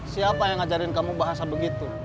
siapa yang ngajarin kamu bahasa begitu